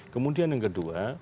kemudian yang kedua